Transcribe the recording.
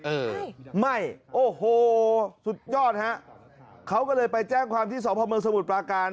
เออไม่โอ้โหสุดยอดฮะเขาก็เลยไปแจ้งความที่สพเมืองสมุทรปราการ